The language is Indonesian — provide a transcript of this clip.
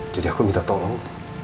jadi aku minta tolong